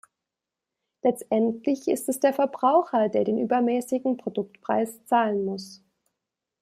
Letztendlich ist es der Verbraucher, der den übermäßigen Produktpreis zahlen muss.